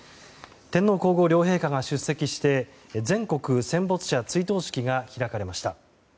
天皇・皇后両陛下が出席して全国戦没者追悼式が開かれました。